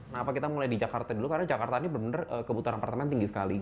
nah apa kita mulai di jakarta dulu karena jakarta ini bener kebutuhan apartemen tinggi sekali